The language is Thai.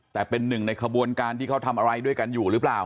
แต่เป็นหนึ่งในขบวนการที่เขาทำอะไรด้วยกันอยู่หรือเปล่า